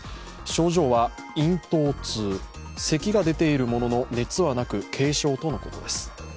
症状は咽頭痛、せきが出ているものの、熱はなく軽症とのことです。